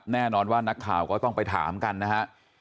แน่นอนว่านักข่าวก็ต้องไปถามกันนะฮะ